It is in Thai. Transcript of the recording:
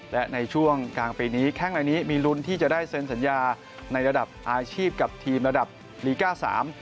และในช่วงกลางปีนี้แข้งในนี้มีลุ้นที่จะได้เซ็นสัญญาในระดับอาชีพกับทีมระดับลีก้าสาม